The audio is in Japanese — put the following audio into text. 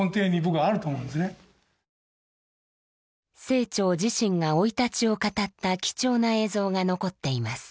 清張自身が生い立ちを語った貴重な映像が残っています。